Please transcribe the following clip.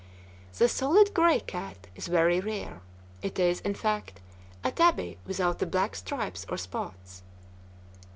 The solid gray cat is very rare. It is, in fact, a tabby without the black stripes or spots.